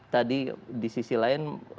tadi di sisi lain